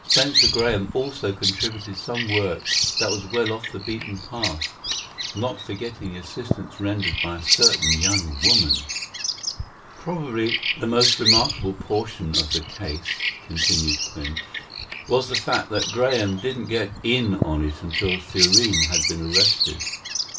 "Spencer Graham also contributed some work that was well off the beaten path not forgetting the assistance rendered by a certain young woman." Probably the most remarkable portion of the case [continued Quinn] was the fact that Graham didn't get in on it until Thurene had been arrested.